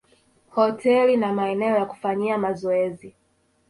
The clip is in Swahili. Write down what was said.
hoteli na maeneo ya kufanyia mazoezi